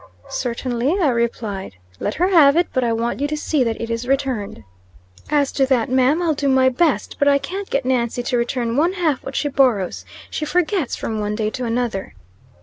"Certainly," I replied, "let her have it, but I want you to see that it is returned." "As to that, ma'am, I'll do my best; but I can't get Nancy to return one half what she borrows. She forgets from one day to another."